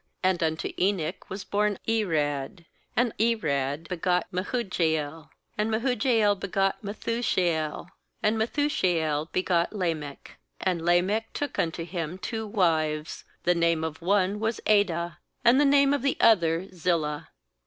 18And unto Enoch was born Irad; and Irad begot Mehujael; and bMehujael begot Methushael; and Methushael begot Lamech. I9And Lamech took unto him two wives, the name of the one was Adah, and the name of the other Zillah.